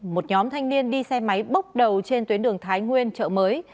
một nhóm thanh niên đi xe máy bốc đầu trên tuyến đường thái nguyên chợ mới